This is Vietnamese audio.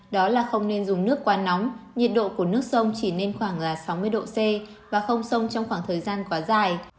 đó là không nên dùng nước quá nóng nhiệt độ của nước sông chỉ nên khoảng sáu mươi độ c và không sông trong khoảng thời gian quá dài